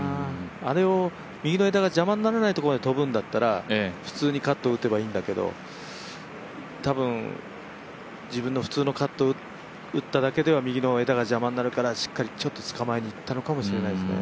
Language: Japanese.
あれを右の枝が邪魔にならないところまで飛ぶんだったら普通にカット打てばいいんだけど多分、自分の普通のカットを打っただけでは右の枝が邪魔になるからちょっと捕まえに行ったのかもしれないですね